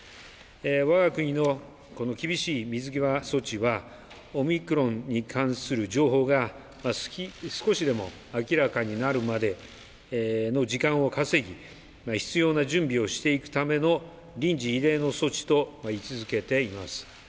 我が国の厳しい水際措置はオミクロンに関する情報が少しでも明らかになるまでの時間を稼ぎ、必要な準備をしていくための臨時、異例の措置と位置づけています。